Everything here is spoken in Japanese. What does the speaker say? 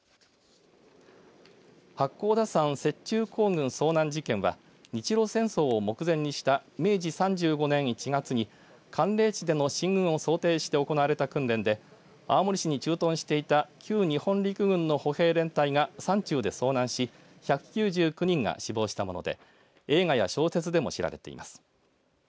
八甲田山雪中行軍遭難事件は日露戦争を目前にした明治３５年１月に寒冷地での進軍を想定して行われた訓練で青森市に駐屯していた旧日本陸軍の歩兵連隊が山中で遭難し１９９人が死亡したもので映画や小説でも知られています。